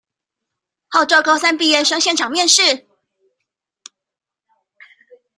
號召高三畢業生現場面試